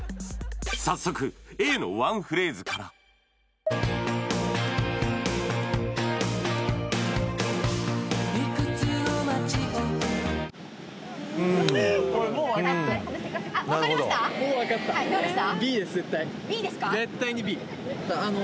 早速Ａのワンフレーズからいくつの街をはいどうでした？